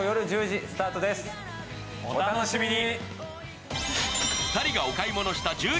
お楽しみに。